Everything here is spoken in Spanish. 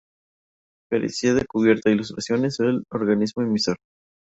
Carecía de cubierta, ilustraciones o del organismo emisor.